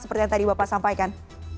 seperti yang tadi bapak sampaikan